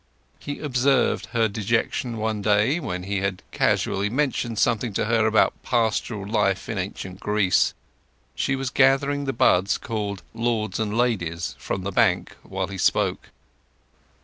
He observed her dejection one day, when he had casually mentioned something to her about pastoral life in ancient Greece. She was gathering the buds called "lords and ladies" from the bank while he spoke.